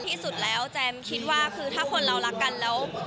ที่สุดแล้วแจมคิดว่าคือถ้าคนเรารักกันแล้ว